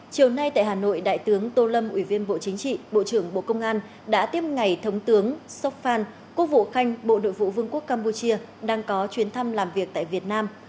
chiều nay tại hà nội đại tướng tô lâm ủy viên bộ chính trị bộ trưởng bộ công an đã tiếp ngày thống tướng sốc phan quốc vụ khanh bộ nội vụ vương quốc campuchia đang có chuyến thăm làm việc tại việt nam